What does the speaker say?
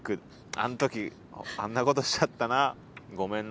あん時あんなことしちゃったな。